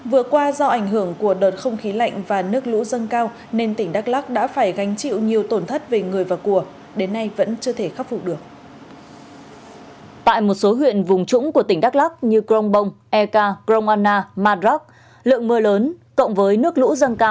vừa qua do ảnh hưởng của đợt không khí lạnh và nước lũ dâng cao nên tỉnh đắk lắc đã phải gánh chịu nhiều tổn thất về người và của đến nay vẫn chưa thể khắc phục được